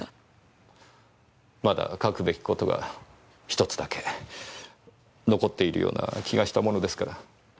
まだ書くべき事が１つだけ残っているような気がしたものですから。